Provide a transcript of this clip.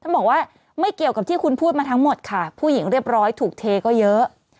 บอกว่าไม่เกี่ยวกับที่คุณพูดมาทั้งหมดค่ะผู้หญิงเรียบร้อยถูกเทก็เยอะ